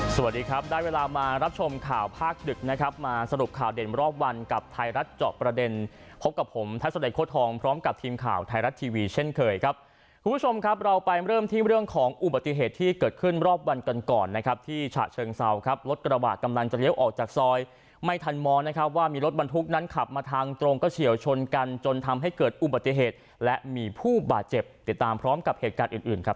สวัสดีครับได้เวลามารับชมข่าวภาคดึกนะครับมาสรุปข่าวเด่นรอบวันกับไทยรัฐเจาะประเด็นพบกับผมทัศน์ไดยโค้ดทองพร้อมกับทีมข่าวไทยรัฐทีวีเช่นเคยครับคุณผู้ชมครับเราไปเริ่มที่เรื่องของอุบัติเหตุที่เกิดขึ้นรอบวันกันก่อนนะครับที่ฉะเชิงเซาครับรถกระวาดกำลังจะเลี้ยวออกจากซ